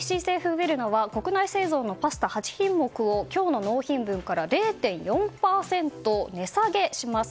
ウェルナは国内製造のパスタ８品目を今日の納品分から０．４％値下げします。